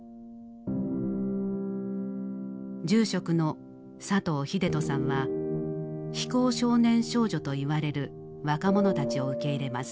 住職の佐藤秀人さんは「非行少年・少女」と言われる若者たちを受け入れます。